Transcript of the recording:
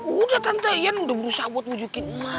udah tante iyan udah berusaha buat bujukin mah